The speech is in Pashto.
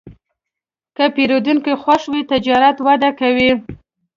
که پیرودونکی خوښ وي، تجارت وده کوي.